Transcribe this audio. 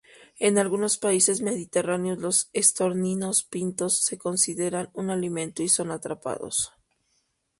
En algunos países mediterráneos los estorninos pintos se consideran un alimento y son atrapados.